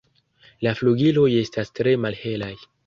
La flugiloj estas tre malhelaj.